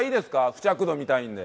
付着度見たいので。